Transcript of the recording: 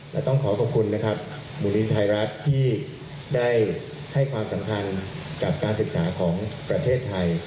และต้องขอขอบคุณนะครับมูลนิธิไทยรัฐที่ได้ให้ความสำคัญกับการศึกษาของประเทศไทย